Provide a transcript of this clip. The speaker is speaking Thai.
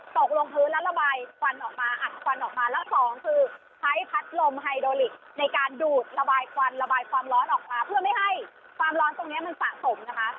ตกลงพื้นแล้วระบายควันออกมาอัดควันออกมาแล้วสองคือใช้พัดลมไฮโดลิกในการดูดระบายควันระบายความร้อนออกมาเพื่อไม่ให้ความร้อนตรงนี้มันสะสมนะคะ